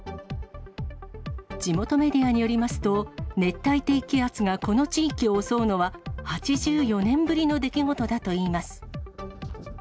地元メディアによりますと、熱帯低気圧がこの地域を襲うのは、８４年ぶりの出来事だといいます。